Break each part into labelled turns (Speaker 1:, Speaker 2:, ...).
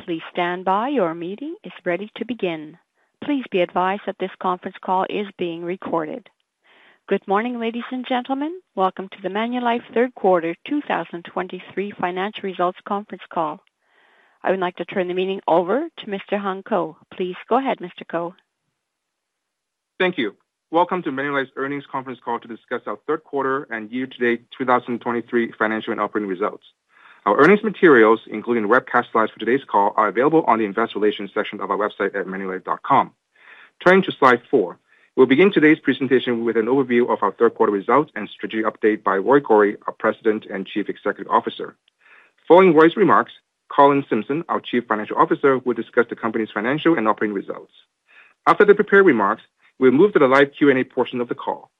Speaker 1: Please stand by, your meeting is ready to begin. Please be advised that this conference call is being recorded. Good morning, ladies and gentlemen. Welcome to the Manulife Third Quarter 2023 Financial Results conference call. I would like to turn the meeting over to Mr. Hung Ko. Please go ahead, Mr. Ko.
Speaker 2: Thank you. Welcome to Manulife's earnings conference call to discuss our third quarter and year-to-date 2023 financial and operating results. Our earnings materials, including the webcast slides for today's call, are available on the Investor Relations section of our website at manulife.com. Turning to slide four, we'll begin today's presentation with an overview of our third quarter results and strategy update by Roy Gori, our President and Chief Executive Officer. Following Roy's remarks, Colin Simpson, our Chief Financial Officer, will discuss the company's financial and operating results. After the prepared remarks, we'll move to the live Q&A portion of the call.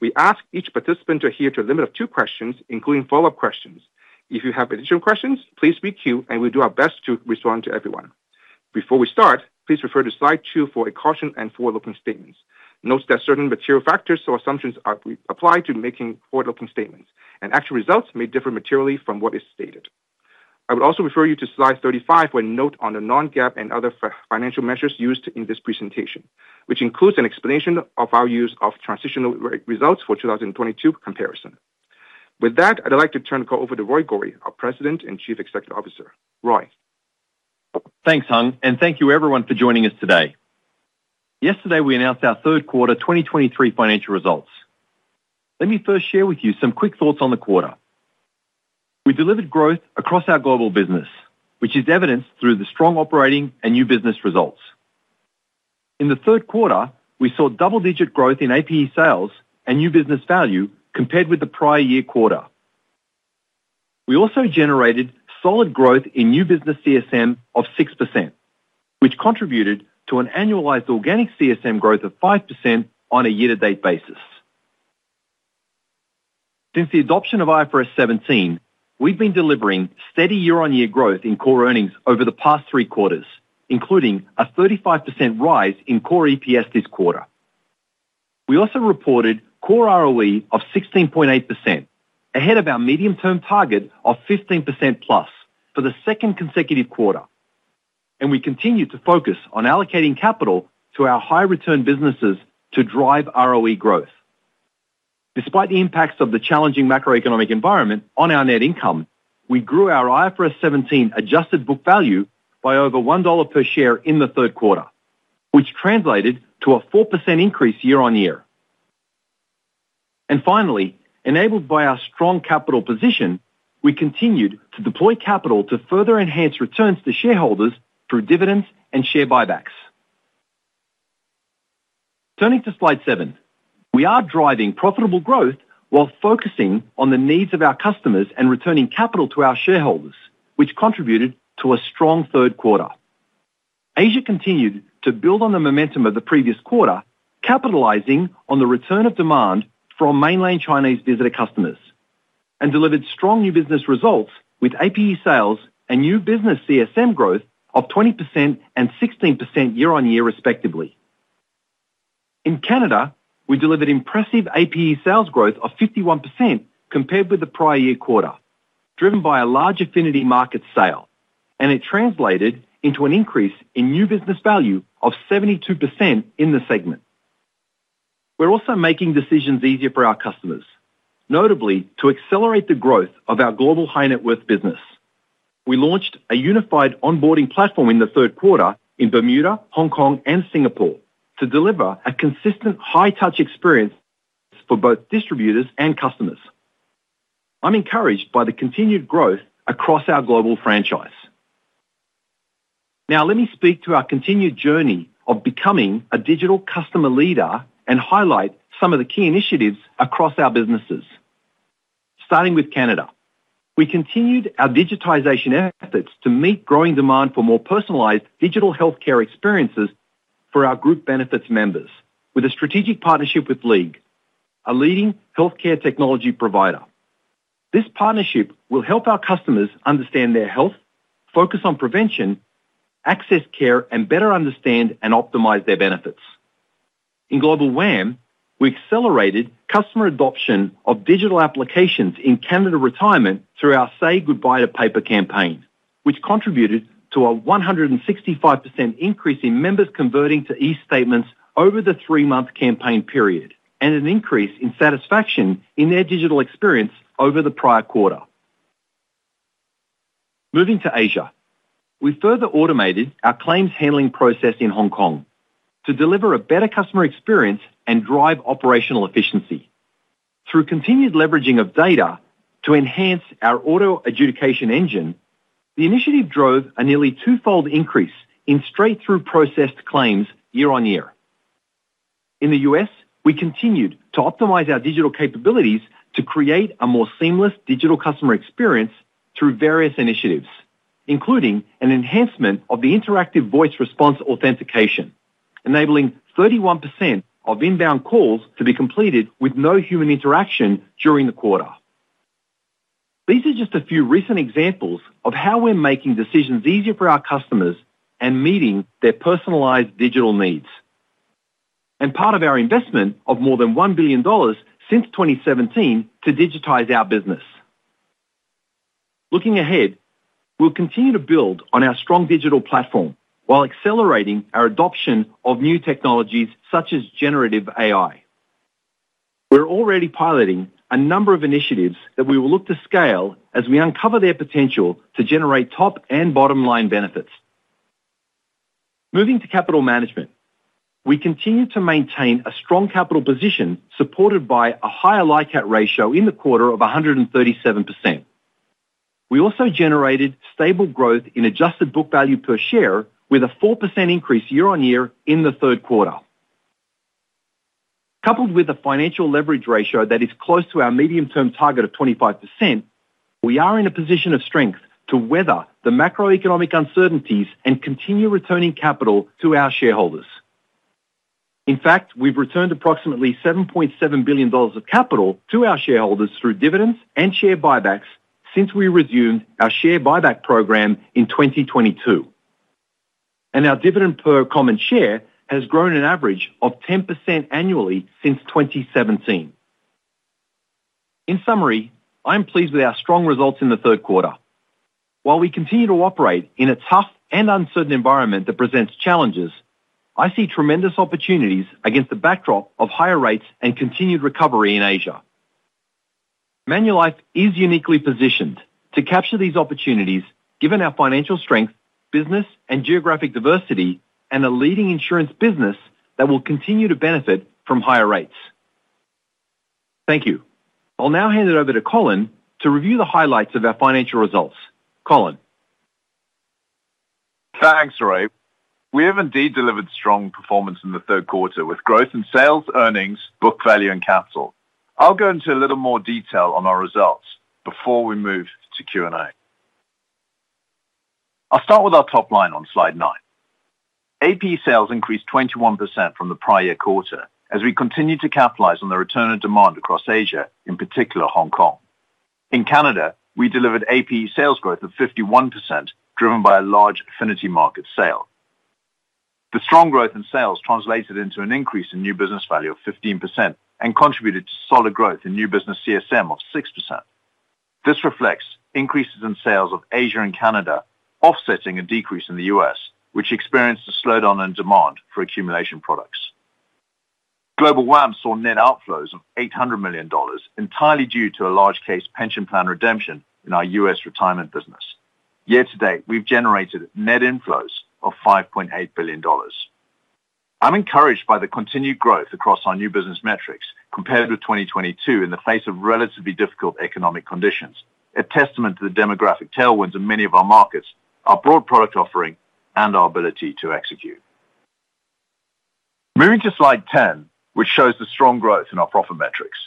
Speaker 2: We ask each participant to adhere to a limit of two questions, including follow-up questions. If you have additional questions, please queue, and we'll do our best to respond to everyone. Before we start, please refer to slide two for a caution and forward-looking statements. Note that certain material factors or assumptions are applied to making forward-looking statements, and actual results may differ materially from what is stated. I would also refer you to slide 35, where note on the non-GAAP and other financial measures used in this presentation, which includes an explanation of our use of transitional results for 2022 comparison. With that, I'd like to turn the call over to Roy Gori, our President and Chief Executive Officer. Roy?
Speaker 3: Thanks, Hung, and thank you, everyone, for joining us today. Yesterday, we announced our third quarter 2023 financial results. Let me first share with you some quick thoughts on the quarter. We delivered growth across our global business, which is evidenced through the strong operating and new business results. In the third quarter, we saw double-digit growth in APE sales and new business value compared with the prior year quarter. We also generated solid growth in new business CSM of 6%, which contributed to an annualized organic CSM growth of 5% on a year-to-date basis. Since the adoption of IFRS 17, we've been delivering steady year-on-year growth in core earnings over the past three quarters, including a 35% rise in core EPS this quarter. We also reported core ROE of 16.8%, ahead of our medium-term target of 15%+ for the second consecutive quarter, and we continue to focus on allocating capital to our high return businesses to drive ROE growth. Despite the impacts of the challenging macroeconomic environment on our net income, we grew our IFRS 17 adjusted book value by over 1 dollar per share in the third quarter, which translated to a 4% increase year-on-year. And finally, enabled by our strong capital position, we continued to deploy capital to further enhance returns to shareholders through dividends and share buybacks. Turning to slide seven. We are driving profitable growth while focusing on the needs of our customers and returning capital to our shareholders, which contributed to a strong third quarter. Asia continued to build on the momentum of the previous quarter, capitalizing on the return of demand from mainland Chinese visitor customers, and delivered strong new business results with APE sales and new business CSM growth of 20% and 16% year-on-year, respectively. In Canada, we delivered impressive APE sales growth of 51% compared with the prior year quarter, driven by a large affinity market sale, and it translated into an increase in new business value of 72% in the segment. We're also making decisions easier for our customers, notably to accelerate the growth of our global high net worth business. We launched a unified onboarding platform in the third quarter in Bermuda, Hong Kong, and Singapore to deliver a consistent high-touch experience for both distributors and customers. I'm encouraged by the continued growth across our global franchise. Now, let me speak to our continued journey of becoming a digital customer leader and highlight some of the key initiatives across our businesses. Starting with Canada. We continued our digitization efforts to meet growing demand for more personalized digital healthcare experiences for our group benefits members with a strategic partnership with League, a leading healthcare technology provider. This partnership will help our customers understand their health, focus on prevention, access care, and better understand and optimize their benefits. In Global WAM, we accelerated customer adoption of digital applications in Canada Retirement through our Say Goodbye to Paper campaign, which contributed to a 165% increase in members converting to e-statements over the three-month campaign period, and an increase in satisfaction in their digital experience over the prior quarter. Moving to Asia. We further automated our claims handling process in Hong Kong to deliver a better customer experience and drive operational efficiency. Through continued leveraging of data to enhance our auto adjudication engine, the initiative drove a nearly twofold increase in straight-through processed claims year-over-year. In the U.S., we continued to optimize our digital capabilities to create a more seamless digital customer experience through various initiatives, including an enhancement of the interactive voice response authentication, enabling 31% of inbound calls to be completed with no human interaction during the quarter. These are just a few recent examples of how we're making decisions easier for our customers and meeting their personalized digital needs... and part of our investment of more than 1 billion dollars since 2017 to digitize our business. Looking ahead, we'll continue to build on our strong digital platform while accelerating our adoption of new technologies such as generative AI. We're already piloting a number of initiatives that we will look to scale as we uncover their potential to generate top and bottom line benefits. Moving to capital management. We continue to maintain a strong capital position, supported by a higher LICAT ratio in the quarter of 137%. We also generated stable growth in adjusted book value per share, with a 4% increase year-on-year in the third quarter. Coupled with a financial leverage ratio that is close to our medium-term target of 25%, we are in a position of strength to weather the macroeconomic uncertainties and continue returning capital to our shareholders. In fact, we've returned approximately 7.7 billion dollars of capital to our shareholders through dividends and share buybacks since we resumed our share buyback program in 2022. Our dividend per common share has grown an average of 10% annually since 2017. In summary, I'm pleased with our strong results in the third quarter. While we continue to operate in a tough and uncertain environment that presents challenges, I see tremendous opportunities against the backdrop of higher rates and continued recovery in Asia. Manulife is uniquely positioned to capture these opportunities given our financial strength, business and geographic diversity, and a leading insurance business that will continue to benefit from higher rates. Thank you. I'll now hand it over to Colin to review the highlights of our financial results. Colin?
Speaker 4: Thanks, Roy. We have indeed delivered strong performance in the third quarter, with growth in sales, earnings, book value, and capital. I'll go into a little more detail on our results before we move to Q&A. I'll start with our top line on slide nine. APE sales increased 21% from the prior quarter as we continued to capitalize on the return of demand across Asia, in particular Hong Kong. In Canada, we delivered APE sales growth of 51%, driven by a large affinity market sale. The strong growth in sales translated into an increase in new business value of 15% and contributed to solid growth in new business CSM of 6%. This reflects increases in sales of Asia and Canada, offsetting a decrease in the U.S., which experienced a slowdown in demand for accumulation products. Global WAM saw net outflows of 800 million dollars, entirely due to a large case pension plan redemption in our US retirement business. Year to date, we've generated net inflows of 5.8 billion dollars. I'm encouraged by the continued growth across our new business metrics compared with 2022 in the face of relatively difficult economic conditions, a testament to the demographic tailwinds in many of our markets, our broad product offering, and our ability to execute. Moving to slide 10, which shows the strong growth in our profit metrics.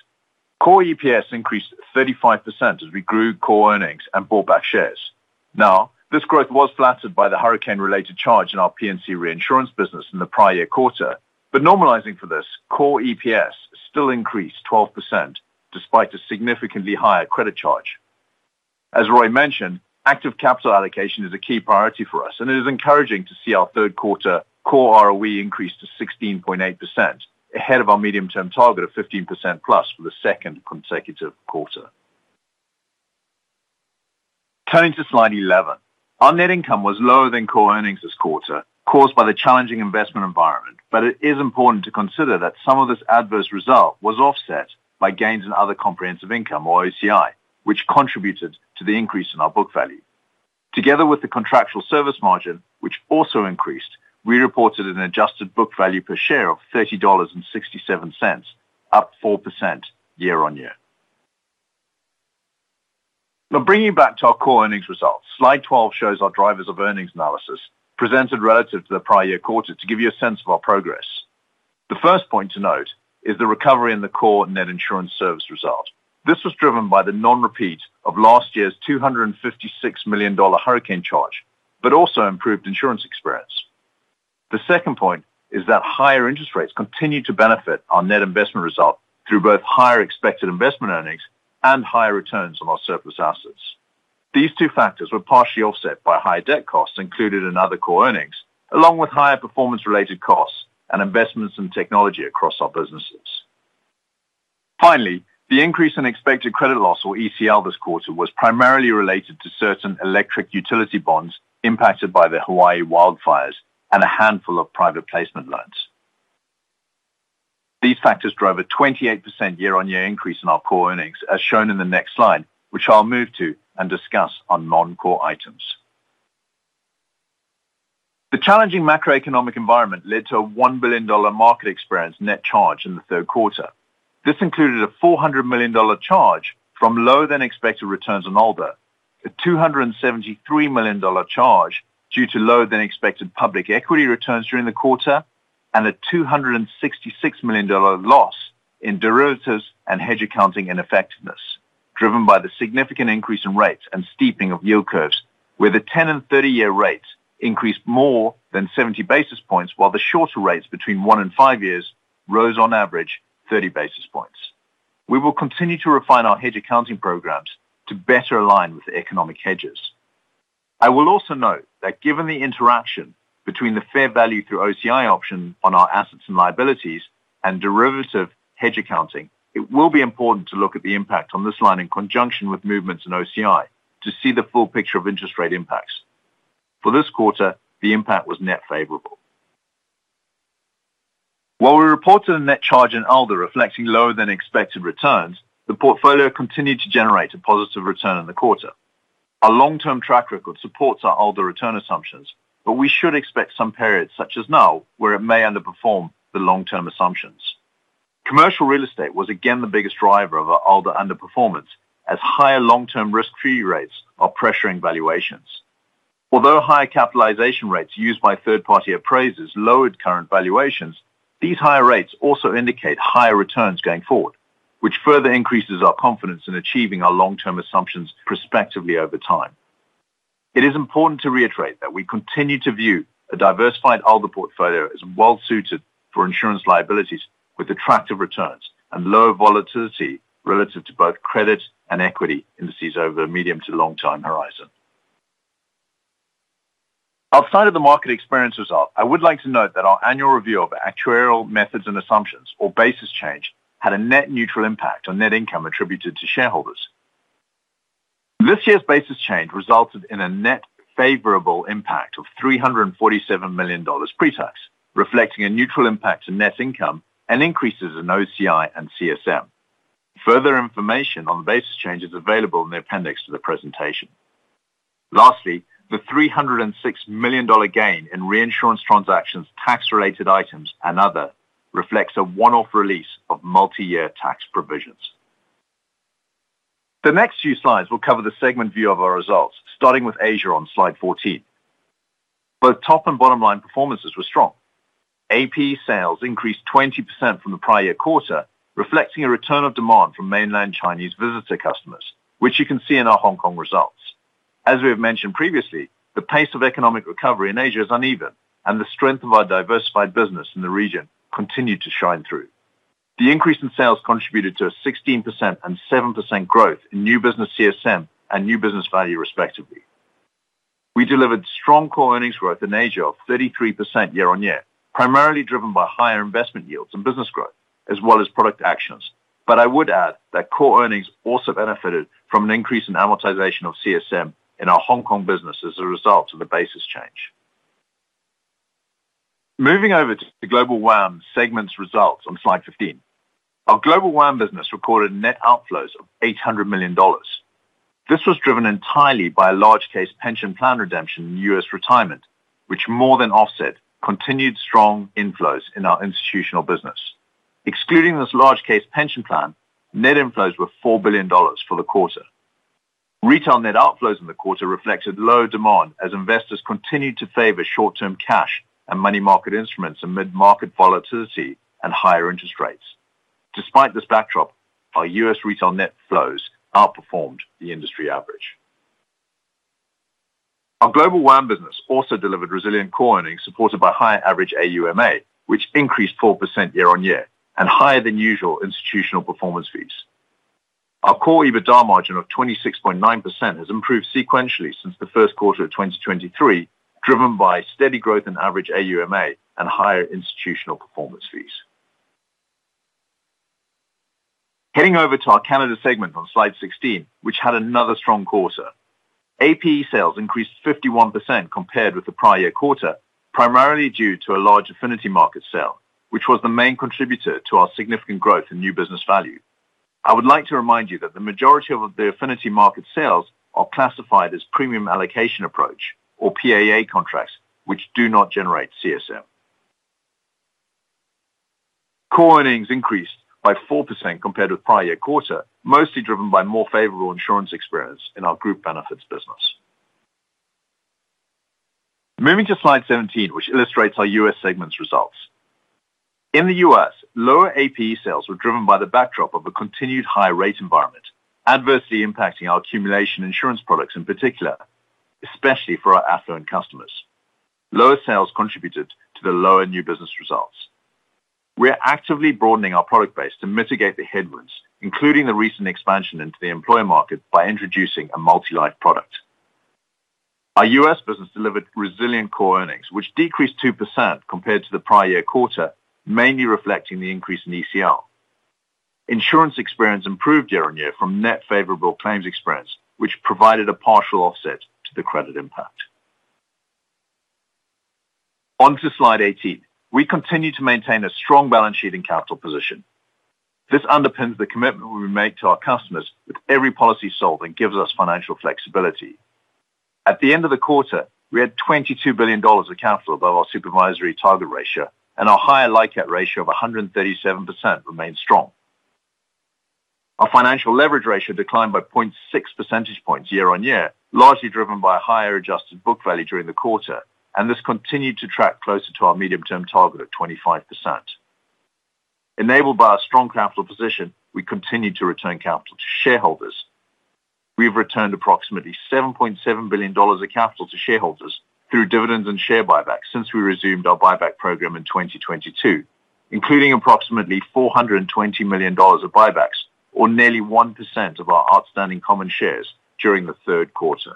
Speaker 4: Core EPS increased 35% as we grew core earnings and bought back shares. Now, this growth was flattered by the hurricane-related charge in our P&C reinsurance business in the prior year quarter, but normalizing for this, core EPS still increased 12%, despite a significantly higher credit charge. As Roy mentioned, active capital allocation is a key priority for us, and it is encouraging to see our third quarter core ROE increase to 16.8%, ahead of our medium-term target of 15%+ for the second consecutive quarter. Turning to slide 11. Our net income was lower than core earnings this quarter, caused by the challenging investment environment. But it is important to consider that some of this adverse result was offset by gains in other comprehensive income, or OCI, which contributed to the increase in our book value. Together with the contractual service margin, which also increased, we reported an adjusted book value per share of 30.67 dollars, up 4% year-on-year. Now, bringing back to our core earnings results. Slide 12 shows our drivers of earnings analysis presented relative to the prior year quarter to give you a sense of our progress. The first point to note is the recovery in the core net insurance service result. This was driven by the non-repeat of last year's 256 million dollar hurricane charge, but also improved insurance experience. The second point is that higher interest rates continued to benefit our net investment result through both higher expected investment earnings and higher returns on our surplus assets. These two factors were partially offset by higher debt costs included in other core earnings, along with higher performance-related costs and investments in technology across our businesses. Finally, the increase in expected credit loss, or ECL, this quarter was primarily related to certain electric utility bonds impacted by the Hawaii wildfires and a handful of private placement loans. These factors drove a 28% year-on-year increase in our core earnings, as shown in the next slide, which I'll move to and discuss on non-core items. The challenging macroeconomic environment led to a 1 billion dollar market experience net charge in the third quarter. This included a 400 million dollar charge from lower-than-expected returns on ALDA, a 273 million dollar charge due to lower than expected public equity returns during the quarter, and a 266 million dollar loss in derivatives and hedge accounting ineffectiveness, driven by the significant increase in rates and steepening of yield curves, where the 10- and 30-year rates increased more than 70 basis points, while the shorter rates between one and five years rose on average 30 basis points. We will continue to refine our hedge accounting programs to better align with the economic hedges... I will also note that given the interaction between the fair value through OCI option on our assets and liabilities and derivative hedge accounting, it will be important to look at the impact on this line in conjunction with movements in OCI, to see the full picture of interest rate impacts. For this quarter, the impact was net favorable. While we reported a net charge in ALDA, reflecting lower than expected returns, the portfolio continued to generate a positive return in the quarter. Our long-term track record supports our ALDA return assumptions, but we should expect some periods, such as now, where it may underperform the long-term assumptions. Commercial real estate was again the biggest driver of our ALDA underperformance, as higher long-term risk-free rates are pressuring valuations. Although higher capitalization rates used by third-party appraisers lowered current valuations, these higher rates also indicate higher returns going forward, which further increases our confidence in achieving our long-term assumptions prospectively over time. It is important to reiterate that we continue to view a diversified ALDA portfolio as well-suited for insurance liabilities, with attractive returns and lower volatility relative to both credit and equity indices over a medium to long time horizon. Outside of the market experience result, I would like to note that our annual review of actuarial methods and assumptions or Basis Change, had a net neutral impact on net income attributed to shareholders. This year's Basis Change resulted in a net favorable impact of 347 million dollars pre-tax, reflecting a neutral impact to net income and increases in OCI and CSM. Further information on the basis change is available in the appendix to the presentation. Lastly, the 306 million dollar gain in reinsurance transactions, tax-related items, and other, reflects a one-off release of multi-year tax provisions. The next few slides will cover the segment view of our results, starting with Asia on slide 14. Both top and bottom line performances were strong. APE sales increased 20% from the prior-year quarter, reflecting a return of demand from mainland Chinese visitor customers, which you can see in our Hong Kong results. As we have mentioned previously, the pace of economic recovery in Asia is uneven, and the strength of our diversified business in the region continued to shine through. The increase in sales contributed to a 16% and 7% growth in new business CSM and new business value, respectively. We delivered strong core earnings growth in Asia of 33% year-on-year, primarily driven by higher investment yields and business growth, as well as product actions. But I would add that core earnings also benefited from an increase in amortization of CSM in our Hong Kong business as a result of the basis change. Moving over to the Global WAM segment's results on slide 15. Our Global WAM business recorded net outflows of $800 million. This was driven entirely by a large case pension plan redemption in US retirement, which more than offset continued strong inflows in our institutional business. Excluding this large case pension plan, net inflows were $4 billion for the quarter. Retail net outflows in the quarter reflected low demand as investors continued to favor short-term cash and money market instruments amid market volatility and higher interest rates. Despite this backdrop, our US retail net flows outperformed the industry average. Our Global WAM business also delivered resilient core earnings, supported by higher average AUMA, which increased 4% year-on-year and higher than usual institutional performance fees. Our core EBITDA margin of 26.9% has improved sequentially since the first quarter of 2023, driven by steady growth in average AUMA and higher institutional performance fees. Heading over to our Canada segment on slide 16, which had another strong quarter. APE sales increased 51% compared with the prior-year quarter, primarily due to a large affinity market sale, which was the main contributor to our significant growth in new business value. I would like to remind you that the majority of the affinity market sales are classified as premium allocation approach or PAA contracts, which do not generate CSM. Core earnings increased by 4% compared with prior year quarter, mostly driven by more favorable insurance experience in our group benefits business. Moving to slide 17, which illustrates our US segment's results. In the U.S., lower APE sales were driven by the backdrop of a continued high rate environment, adversely impacting our accumulation insurance products in particular, especially for our affluent customers. Lower sales contributed to the lower new business results. We are actively broadening our product base to mitigate the headwinds, including the recent expansion into the employer market by introducing a multi-life product. Our US business delivered resilient core earnings, which decreased 2% compared to the prior year quarter, mainly reflecting the increase in ECL. Insurance experience improved year on year from net favorable claims experience, which provided a partial offset to the credit impact. On to slide 18. We continue to maintain a strong balance sheet and capital position. This underpins the commitment we make to our customers with every policy sold and gives us financial flexibility. At the end of the quarter, we had $22 billion of capital above our supervisory target ratio, and our LICAT ratio of 137% remains strong. Our financial leverage ratio declined by 0.6 percentage points year-on-year, largely driven by a higher adjusted book value during the quarter, and this continued to track closer to our medium-term target of 25%. Enabled by our strong capital position, we continued to return capital to shareholders. We have returned approximately $7.7 billion of capital to shareholders through dividends and share buybacks since we resumed our buyback program in 2022, including approximately $420 million of buybacks.... or nearly 1% of our outstanding common shares during the third quarter.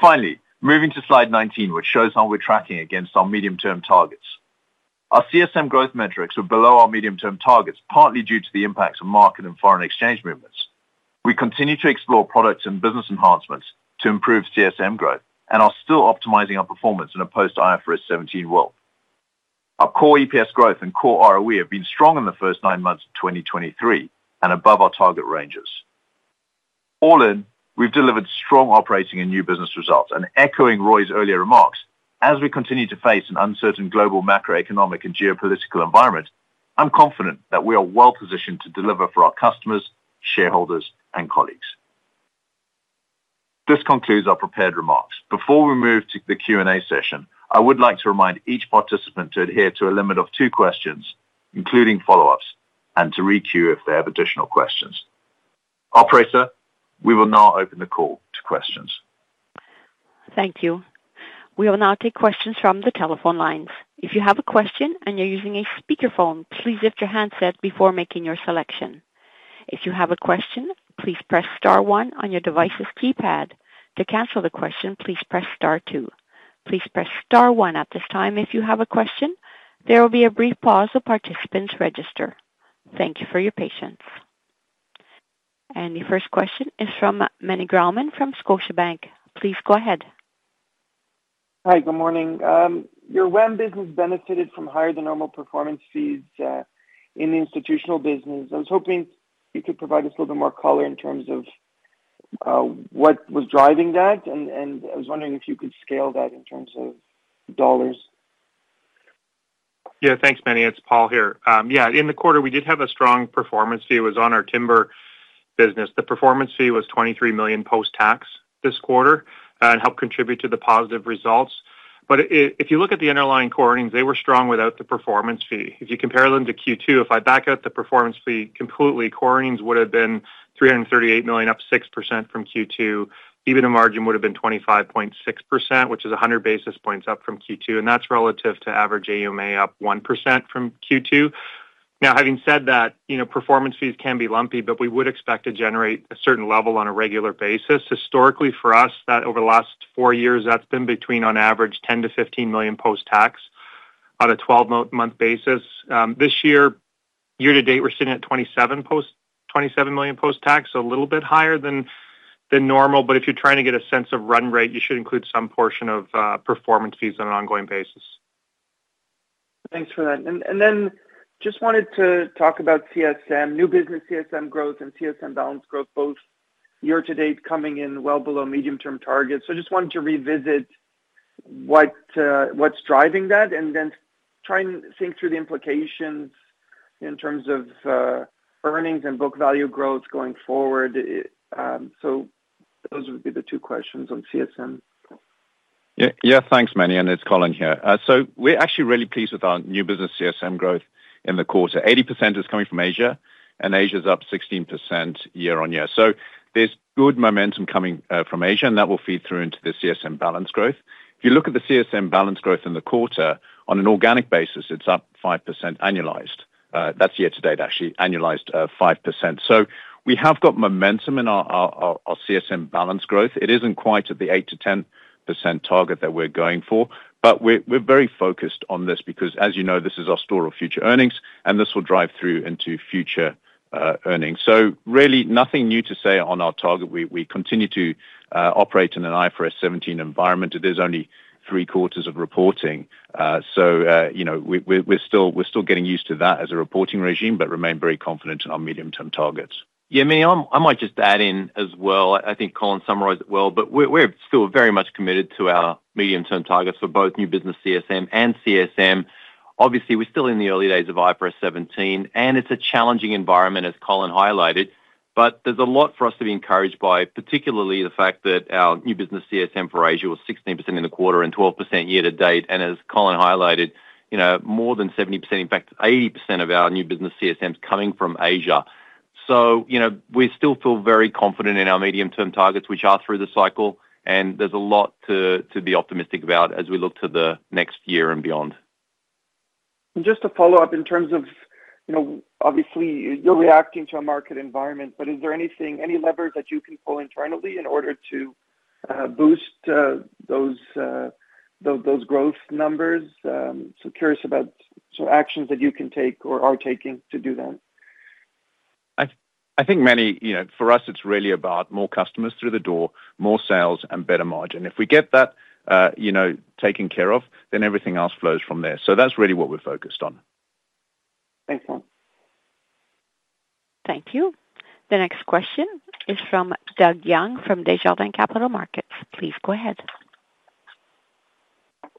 Speaker 4: Finally, moving to slide 19, which shows how we're tracking against our medium-term targets. Our CSM growth metrics are below our medium-term targets, partly due to the impacts of market and foreign exchange movements. We continue to explore products and business enhancements to improve CSM growth and are still optimizing our performance in a post-IFRS 17 world. Our core EPS growth and core ROE have been strong in the first nine months of 2023 and above our target ranges. All in, we've delivered strong operating and new business results. Echoing Roy's earlier remarks, as we continue to face an uncertain global macroeconomic and geopolitical environment, I'm confident that we are well-positioned to deliver for our customers, shareholders, and colleagues. This concludes our prepared remarks. Before we move to the Q&A session, I would like to remind each participant to adhere to a limit of two questions, including follow-ups, and to requeue if they have additional questions. Operator, we will now open the call to questions.
Speaker 1: Thank you. We will now take questions from the telephone lines. If you have a question and you're using a speakerphone, please lift your handset before making your selection. If you have a question, please press star one on your device's keypad. To cancel the question, please press star two. Please press star one at this time if you have a question. There will be a brief pause while participants register. Thank you for your patience. And the first question is from Meny Grauman from Scotiabank. Please go ahead.
Speaker 5: Hi, good morning. Your WAM business benefited from higher than normal performance fees in the institutional business. I was hoping you could provide us a little bit more color in terms of what was driving that, and, and I was wondering if you could scale that in terms of dollars.
Speaker 6: Yeah, thanks, Meny. It's Paul here. Yeah, in the quarter, we did have a strong performance fee. It was on our timber business. The performance fee was 23 million post-tax this quarter, and helped contribute to the positive results. But if you look at the underlying core earnings, they were strong without the performance fee. If you compare them to Q2, if I back out the performance fee completely, core earnings would have been 338 million, up 6% from Q2. Even the margin would have been 25.6%, which is 100 basis points up from Q2, and that's relative to average AUMA up 1% from Q2. Now, having said that, you know, performance fees can be lumpy, but we would expect to generate a certain level on a regular basis. Historically, for us, that over the last four years, that's been between, on average, 10-15 million post-tax on a 12-month basis. This year, year to date, we're sitting at 27 million post-tax, so a little bit higher than normal. But if you're trying to get a sense of run rate, you should include some portion of performance fees on an ongoing basis.
Speaker 5: Thanks for that. And then just wanted to talk about CSM, new business CSM growth and CSM balance growth, both year to date, coming in well below medium-term targets. So I just wanted to revisit what's driving that, and then try and think through the implications in terms of, earnings and book value growth going forward. So those would be the two questions on CSM.
Speaker 4: Yeah. Yeah, thanks, Meny, and it's Colin here. So we're actually really pleased with our new business CSM growth in the quarter. 80% is coming from Asia, and Asia is up 16% year on year. So there's good momentum coming from Asia, and that will feed through into the CSM balance growth. If you look at the CSM balance growth in the quarter, on an organic basis, it's up 5% annualized. That's year to date, actually, annualized, 5%. So we have got momentum in our CSM balance growth. It isn't quite at the 8%-10% target that we're going for, but we're very focused on this because, as you know, this is our store of future earnings, and this will drive through into future earnings. So really nothing new to say on our target. We continue to operate in an IFRS 17 environment. There's only three quarters of reporting, so, you know, we're still getting used to that as a reporting regime, but remain very confident in our medium-term targets.
Speaker 3: Yeah, Meny, I might just add in as well. I think Colin summarized it well, but we're still very much committed to our medium-term targets for both new business CSM and CSM. Obviously, we're still in the early days of IFRS 17, and it's a challenging environment, as Colin highlighted. But there's a lot for us to be encouraged by, particularly the fact that our new business CSM for Asia was 16% in the quarter and 12% year to date. And as Colin highlighted, you know, more than 70%, in fact, 80% of our new business CSM is coming from Asia. So, you know, we still feel very confident in our medium-term targets, which are through the cycle, and there's a lot to be optimistic about as we look to the next year and beyond.
Speaker 5: Just to follow up in terms of, you know, obviously, you're reacting to a market environment, but is there anything, any levers that you can pull internally in order to boost those growth numbers? So curious about so actions that you can take or are taking to do that.
Speaker 4: I think, Meny, you know, for us, it's really about more customers through the door, more sales, and better margin. If we get that, you know, taken care of, then everything else flows from there. That's really what we're focused on.
Speaker 5: Thanks, Colin.
Speaker 1: Thank you. The next question is from Doug Young, from Desjardins Capital Markets. Please go ahead.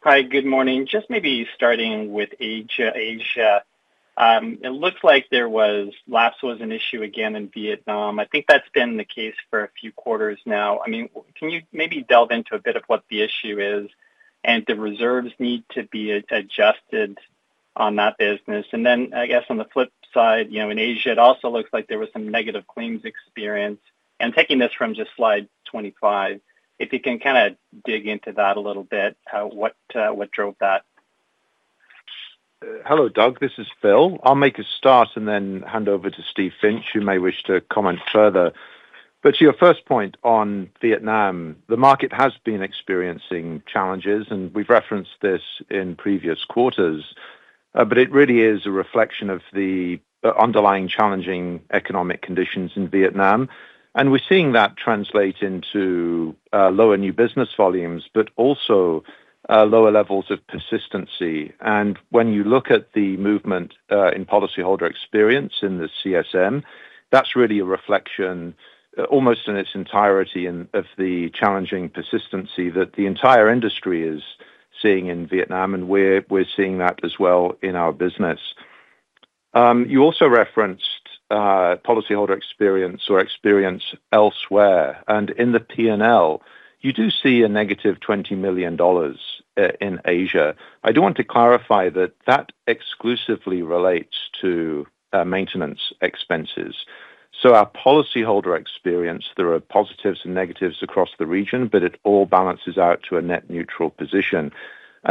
Speaker 7: Hi, good morning. Just maybe starting with Asia. It looks like there was lapse was an issue again in Vietnam. I think that's been the case for a few quarters now. I mean, can you maybe delve into a bit of what the issue is and the reserves need to be adjusted on that business? And then, I guess on the flip side, you know, in Asia, it also looks like there was some negative claims experience. And taking this from just slide 25, if you can kind of dig into that a little bit, what drove that?
Speaker 8: Hello, Doug, this is Phil. I'll make a start and then hand over to Steve Finch, who may wish to comment further. But to your first point on Vietnam, the market has been experiencing challenges, and we've referenced this in previous quarters, but it really is a reflection of the underlying challenging economic conditions in Vietnam, and we're seeing that translate into lower new business volumes, but also lower levels of consistency. And when you look at the movement in policyholder experience in the CSM, that's really a reflection, almost in its entirety, of the challenging persistency that the entire industry is seeing in Vietnam, and we're seeing that as well in our business. You also referenced policyholder experience or experience elsewhere, and in the P&L, you do see a negative 20 million dollars in Asia. I do want to clarify that that exclusively relates to maintenance expenses. So our policyholder experience, there are positives and negatives across the region, but it all balances out to a net neutral position.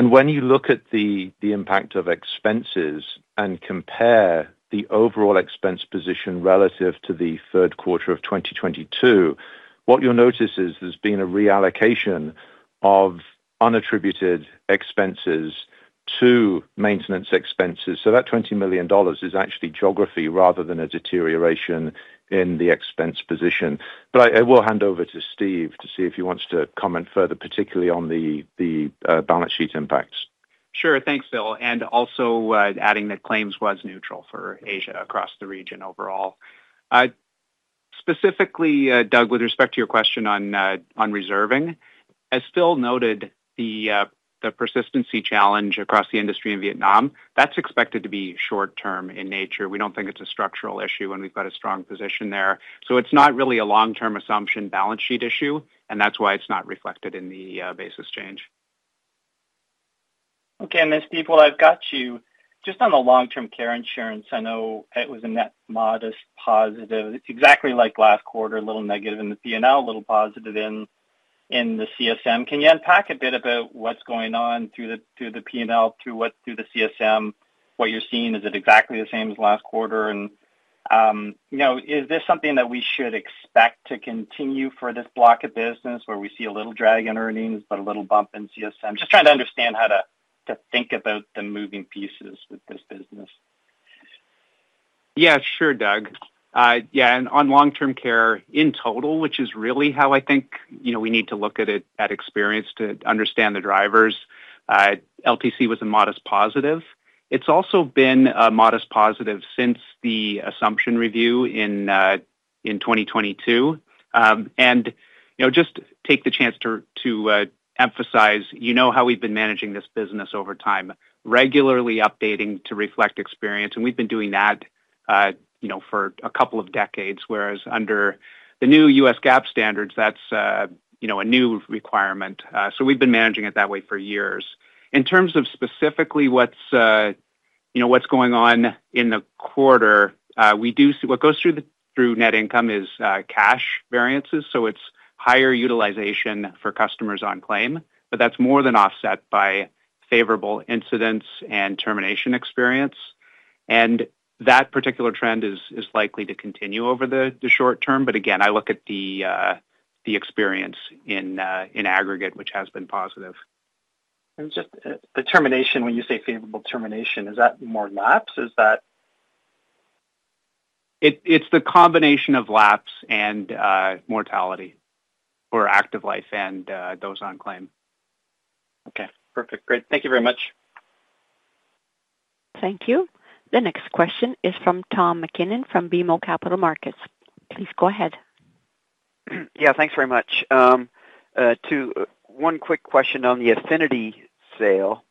Speaker 8: When you look at the impact of expenses and compare the overall expense position relative to the third quarter of 2022, what you'll notice is there's been a reallocation of unattributed expenses to maintenance expenses. So that 20 million dollars is actually geography rather than a deterioration in the expense position. But I will hand over to Steve to see if he wants to comment further, particularly on the balance sheet impacts.
Speaker 9: Sure. Thanks, Phil, and also, adding that claims was neutral for Asia across the region overall. Specifically, Doug, with respect to your question on, on reserving, as Phil noted, the, the persistency challenge across the industry in Vietnam, that's expected to be short term in nature. We don't think it's a structural issue, and we've got a strong position there. So it's not really a long-term assumption balance sheet issue, and that's why it's not reflected in the, Basis Change.
Speaker 7: Okay, and then, Steve, while I've got you, just on the long-term care insurance, I know it was a net modest positive. It's exactly like last quarter, a little negative in the P&L, a little positive in the CSM. Can you unpack a bit about what's going on through the P&L, through the CSM? What you're seeing, is it exactly the same as last quarter? And, you know, is this something that we should expect to continue for this block of business, where we see a little drag in earnings but a little bump in CSM? Just trying to understand how to think about the moving pieces with this business.
Speaker 9: Yeah, sure, Doug. Yeah, and on long-term care in total, which is really how I think, you know, we need to look at it, at experience to understand the drivers, LTC was a modest positive. It's also been a modest positive since the assumption review in 2022. And, you know, just take the chance to emphasize, you know how we've been managing this business over time, regularly updating to reflect experience, and we've been doing that, you know, for a couple of decades, whereas under the new US GAAP standards, that's, you know, a new requirement. So we've been managing it that way for years. In terms of specifically what's, you know, what's going on in the quarter, we do see... What goes through net income is cash variances, so it's higher utilization for customers on claim, but that's more than offset by favorable incidents and termination experience, and that particular trend is likely to continue over the short term. But again, I look at the experience in aggregate, which has been positive.
Speaker 7: And just, the termination, when you say favorable termination, is that more lapse? Is that-
Speaker 9: It's the combination of lapse and mortality for active life and those on claim.
Speaker 7: Okay, perfect. Great. Thank you very much.
Speaker 1: Thank you. The next question is from Tom MacKinnon from BMO Capital Markets. Please go ahead.
Speaker 10: Yeah, thanks very much. One quick question on the affinity sale.